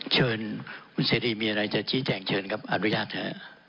เชิญคุณเสรีมีอะไรจะชี้แจงเชิญครับอนุญาตเถอะ